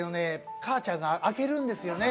母ちゃんが開けるんですよね。